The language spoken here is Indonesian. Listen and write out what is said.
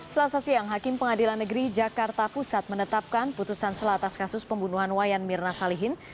selasa siang hakim pengadilan negeri jakarta pusat menetapkan putusan selatas kasus pembunuhan wayan mirna salihin